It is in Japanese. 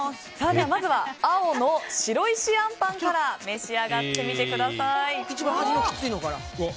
まずは、青の白石あんぱんから召し上がってみてください。